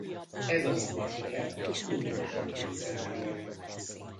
Ez azonban a herceg utolsó győzelme volt.